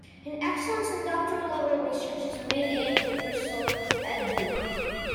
An excellence in doctoral level research is the main aim of the Bristol EdD.